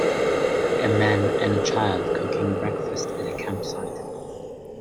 A man and a child cooking breakfast at a campsite.